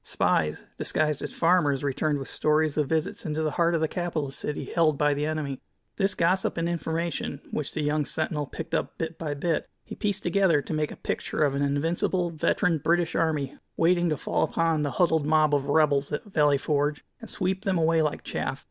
Spies, disguised as farmers, returned with stories of visits into the heart of the capital city held by the enemy. This gossip and information, Which the young sentinel picked up bit by bit, he pieced together to make a picture of an invincible, veteran British army, waiting to fall upon the huddled mob of "rebels" at Valley Forge, and sweep them away like chaff.